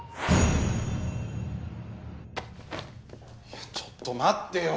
いやちょっと待ってよ！